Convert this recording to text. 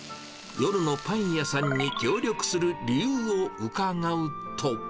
夜のパン屋さんに協力する理由をうかがうと。